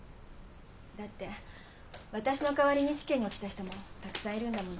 だって私の代わりに試験に落ちた人もたくさんいるんだもの。